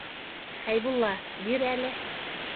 Хәйбулла, бир әле.